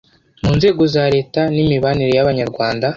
mu nzego za leta n imibanire y abanyarwanda